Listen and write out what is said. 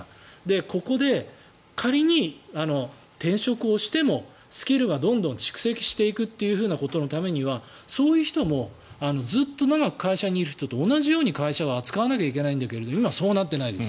ここで仮に、転職をしてもスキルがどんどん蓄積していくためにはそういう人もずっと長く会社にいる人と同じように会社が扱わないといけないんだけど今、そうはなってないです。